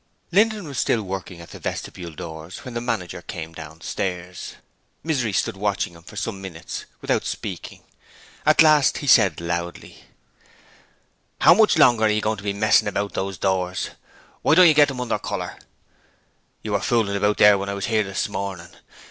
Linden was still working at the vestibule doors when the manager came downstairs. Misery stood watching him for some minutes without speaking. At last he said loudly: 'How much longer are you going to be messing about those doors? Why don't you get them under colour? You were fooling about there when I was here this morning.